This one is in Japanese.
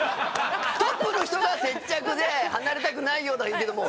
トップの人が接着で「離れたくないよ」とは言うけども。